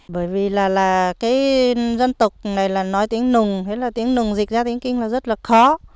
bởi vì là cái dân tộc này là nói tiếng nùng hay là tiếng nùng dịch ra tiếng kinh là rất là khó